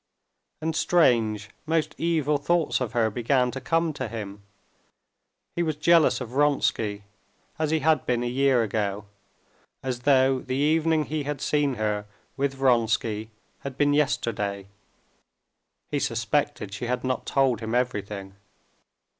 And strange, most evil thoughts of her began to come to him. He was jealous of Vronsky, as he had been a year ago, as though the evening he had seen her with Vronsky had been yesterday. He suspected she had not told him everything.